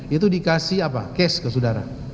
itu dikasih apa case ke saudara